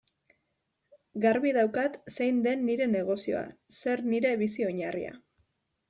Garbi daukat zein den nire negozioa, zer nire bizi-oinarria.